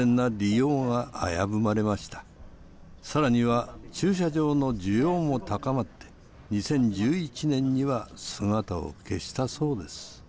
さらには駐車場の需要も高まって２０１１年には姿を消したそうです。